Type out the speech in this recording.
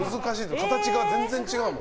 形が全然違うもん。